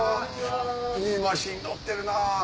いいマシンに乗ってるな。